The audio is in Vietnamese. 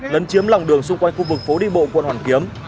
lấn chiếm lòng đường xung quanh khu vực phố đi bộ quận hoàn kiếm